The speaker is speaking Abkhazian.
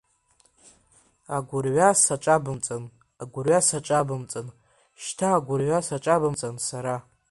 Агәырҩа саҿабымҵан, агәырҩа саҿабымҵан, шьҭа агәырҩа саҿабымҵан, сара!